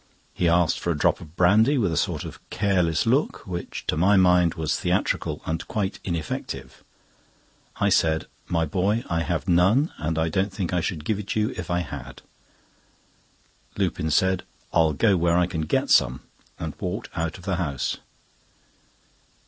He asked for a drop of brandy with a sort of careless look, which to my mind was theatrical and quite ineffective. I said: "My boy, I have none, and I don't think I should give it you if I had." Lupin said: "I'll go where I can get some," and walked out of the house.